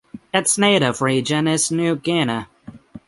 Its native range is New Guinea.